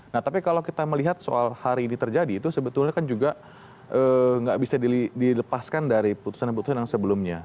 nah tapi kalau kita melihat soal hari ini terjadi itu sebetulnya kan juga nggak bisa dilepaskan dari putusan putusan yang sebelumnya